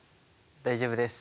大丈夫です。